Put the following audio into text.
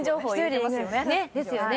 ですよね。